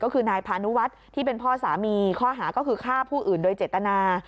ก็คือนายพานุวัฒน์ที่เป็นพ่อสามีข้อหาก็คือฆ่าผู้อื่นโดยเจตนา